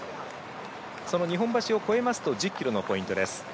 その日本橋を越えますと１０ｋｍのポイントです。